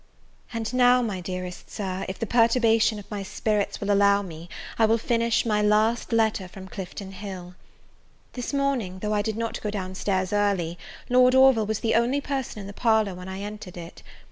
AND now, my dearest Sir, if the perturbation of my spirits will allow me, I will finish my last letter from Clifton Hill. This morning, though I did not go down stairs early, Lord Orville was the only person in the parlour when I entered it.